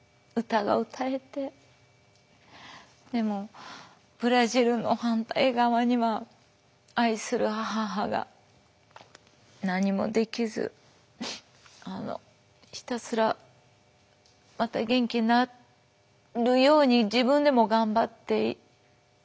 でもブラジルの反対側には愛する母が何もできずひたすらまた元気になるように自分でも頑張って頑張って生きている。